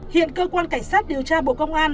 hiện cơ quan cảnh sát điều tra bộ công an